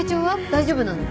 大丈夫なの？